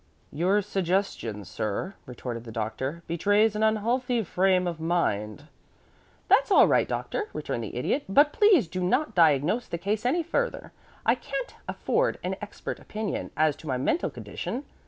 "Your suggestion, sir," retorted the Doctor, "betrays an unhealthy frame of mind." "That's all right, Doctor," returned the Idiot; "but please do not diagnose the case any further. I can't afford an expert opinion as to my mental condition.